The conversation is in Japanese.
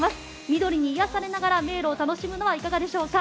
緑に癒やされながら迷路を楽しむのはいかがでしょうか。